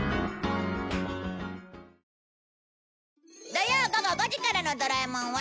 土曜午後５時からの『ドラえもん』は